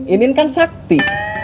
inin kan sakti